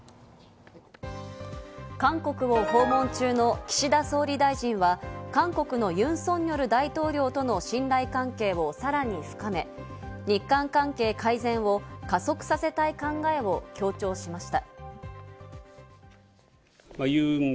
韓国を訪問中の岸田総理大臣は韓国のユン・ソンニョル大統領との信頼関係をさらに深め、日韓関係改善を加速させたい考えを強調しました。